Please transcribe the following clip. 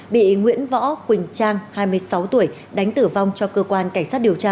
bị nguyễn võ quỳnh trang hai mươi sáu tuổi đánh tử vong cho cơ quan cảnh sát điều tra